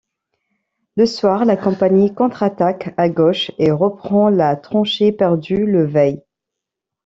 Le soir, la compagnie contre-attaque à gauche et reprend la tranchée perdue le veille.